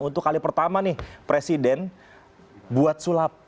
untuk kali pertama nih presiden buat sulap